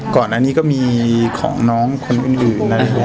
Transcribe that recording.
ก่อนอันนี้ก็มีของน้องคนอื่น